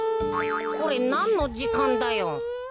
これなんのじかんだよ？